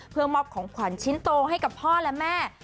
เพื่อมอบของขวัญชิ้นโตให้กับพ่อและแม่